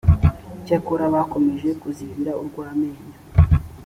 icyakora bakomeje kuzigira urw amenyo